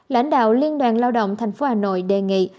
lãnh đạo liên đoàn lao động tp hà nội đề nghị